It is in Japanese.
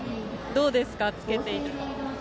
どうですかつけていて。